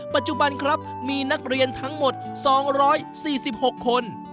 ปัจจุบันครับมีนักเรียนทั้งหมด๒๔๖คน